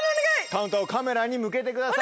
カウンターをカメラに向けてください。